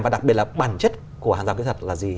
và đặc biệt là bản chất của hàng rào kỹ thuật là gì